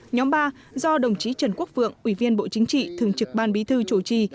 nhóm ba do đồng chí trần quốc vượng ủy viên bộ chính trị thường trực ban bí thư chủ trì